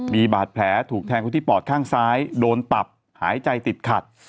มีบาดแผลถูกแทงเขาที่ปอดข้างซ้ายโดนตับหายใจติดขัด